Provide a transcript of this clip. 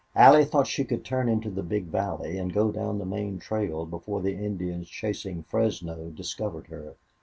Allie thought she could turn into the big valley and go down the main trail before the Indians chasing Fresno discovered her.